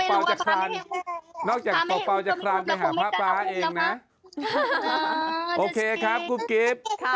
ไม่ได้บวชน้อยค่ะถึงได้แบบนานไปเยี่ยมที